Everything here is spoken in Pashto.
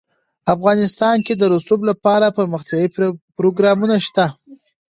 افغانستان کې د رسوب لپاره دپرمختیا پروګرامونه شته.